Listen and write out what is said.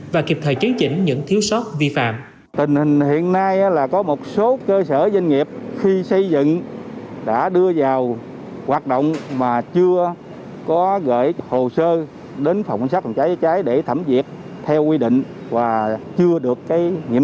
và kịp thời chấn chỉnh những thiếu sót vi phạm